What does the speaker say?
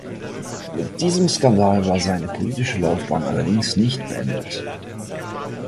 Mit diesem Skandal war seine politische Laufbahn allerdings nicht beendet.